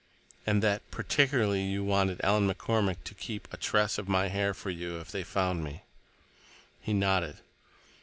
"And that—particularly—you wanted Ellen McCormick to keep a tress of my hair for you if they found me." He nodded.